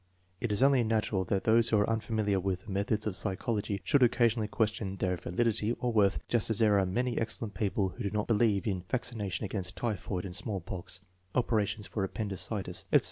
It is only natural that those who are unfamiliar with the methods of psychology should occasionally question their validity or worth, just as there are many excellent people who do not " believe in " vaccination against typhoid and small pox, operations for appendicitis, etc.